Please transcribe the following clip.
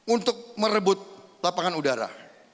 untuk merebut lapangan udara